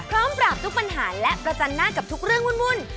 ปราบทุกปัญหาและประจันหน้ากับทุกเรื่องวุ่น